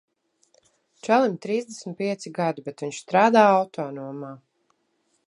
Čalim trīsdesmit pieci gadi, bet viņš strādā autonomā.